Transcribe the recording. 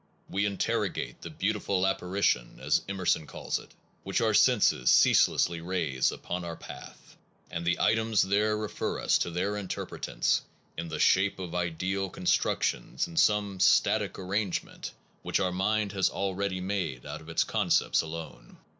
We interrogate the beautiful apparition, as Emerson calls it, which our senses ceaselessly raise upon our path, and the items there refer us to their interpretants in the shape of ideal construc tions in some static arrangement which our 70 PERCEPT AND CONCEPT mind has already made out of its concepts alone.